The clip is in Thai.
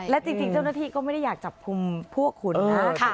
และจริงเจ้าหน้าที่ก็ไม่ได้อยากจับคุมพวกคุณนะ